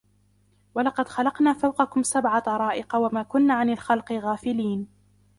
ولقد خلقنا فوقكم سبع طرائق وما كنا عن الخلق غافلين